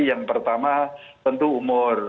yang pertama tentu umur